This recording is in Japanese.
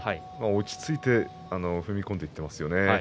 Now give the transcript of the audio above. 落ち着いて踏み込んでいっていますよね。